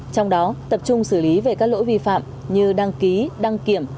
trong đó tập trung xử lý về các lỗi vi phạm như đăng ký đăng kiểm